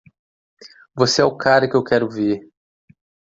Você é o cara que eu quero ver.